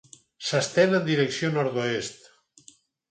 S'estén en direcció al nord-oest.